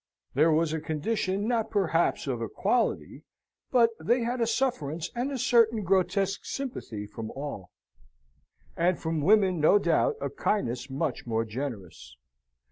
Theirs was a condition not perhaps of equality, but they had a sufferance and a certain grotesque sympathy from all; and from women, no doubt, a kindness much more generous.